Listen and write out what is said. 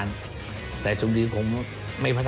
ก็คือคุณอันนบสิงต์โตทองนะครับ